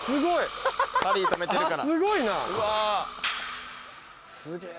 ハリー止めてるから。